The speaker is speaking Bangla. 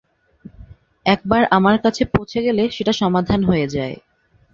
একবার আমার কাছে পৌঁছে গেলে, সেটা সমাধান হয়ে যায়।